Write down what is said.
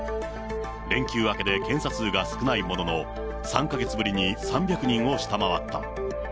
連休明けで検査数が少ないものの、３か月ぶりに３００人を下回った。